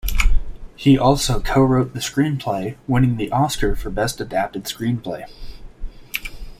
He also co-wrote the screenplay, winning the Oscar for Best Adapted Screenplay.